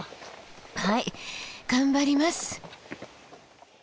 はい頑張ります。